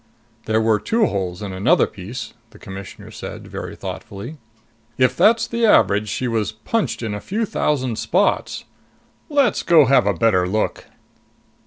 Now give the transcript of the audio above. "There were two holes in another piece," the Commissioner said, very thoughtfully. "If that's the average, she was punched in a few thousand spots. Let's go have a better look."